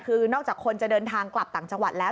คือนอกจากคนจะเดินทางกลับต่างจังหวัดแล้ว